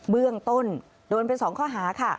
เบื้องต้นโดนเป็น๒ข้อหาค่ะ